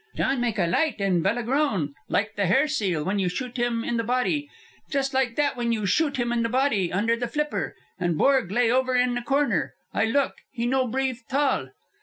"John make a light, and Bella groan, like the hair seal when you shoot him in the body, just like that when you shoot him in the body under the flipper. And Borg lay over in the corner. I look. He no breathe 'tall.